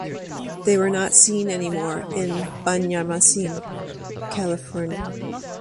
They were not seen anymore in Banjarmasin ca.